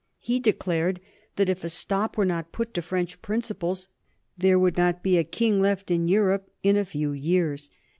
He declared that if a stop were not put to French principles there would not be a king left in Europe in a few years.